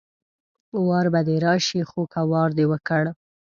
وار به دې راشي خو که وار دې وکړ